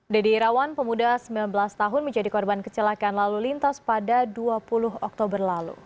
deddy irawan pemuda sembilan belas tahun menjadi korban kecelakaan lalu lintas pada dua puluh oktober lalu